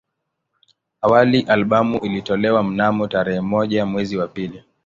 Awali albamu ilitolewa mnamo tarehe moja mwezi wa pili